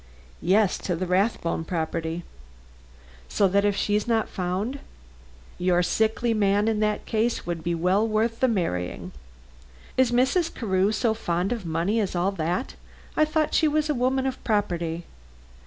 "Yes, to the Rathbone property." "So that if she is not found " "Your sickly man, in that case, would be well worth the marrying." "Is Mrs. Carew so fond of money as all that? I thought she was a woman of property."